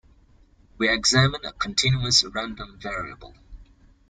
We examine a continuous random variable.